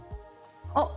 あっ！